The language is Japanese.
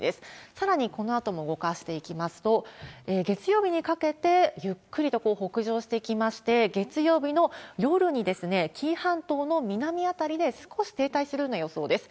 さらにこのあとも動かしていきますと、月曜日にかけてゆっくりと北上してきまして、月曜日の夜に、紀伊半島の南辺りで少し停滞するような予想です。